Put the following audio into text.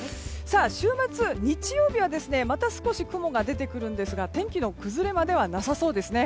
週末の日曜日はまた少し雲が出てきますが天気の崩れまではなさそうですね。